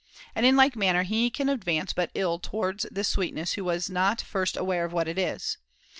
And in like manner he can advance but ill towards this sweetness who is not first aware of what it is.